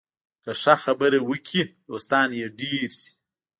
که ښه خبرې وکړې، دوستان ډېر شي